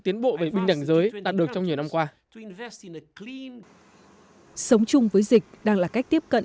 cơ hội bình đẳng giới đạt được trong nhiều năm qua sống chung với dịch đang là cách tiếp cận